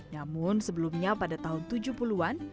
namun sebelumnya pada tahun tujuh puluh an